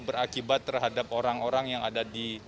berakibat terhadap orang orang yang ada di